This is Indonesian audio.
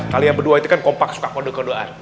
kalian berdua itu kan kompak suka kode kodean